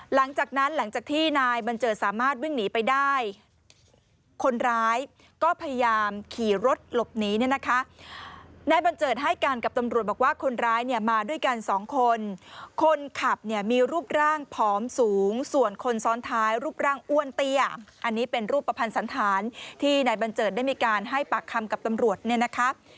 หลังจากที่นายบัญเจิดสามารถวิ่งหนีไปได้คนร้ายก็พยายามขี่รถหลบหนีเนี่ยนะคะนายบัญเจิดให้การกับตำรวจบอกว่าคนร้ายเนี่ยมาด้วยกันสองคนคนขับเนี่ยมีรูปร่างผอมสูงส่วนคนซ้อนท้ายรูปร่างอ้วนเตี้ยอันนี้เป็นรูปภัณฑ์สันธารที่นายบัญเจิดได้มีการให้ปากคำกับตำรวจเนี่ยนะคะ